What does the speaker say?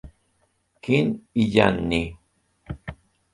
King y Yanni.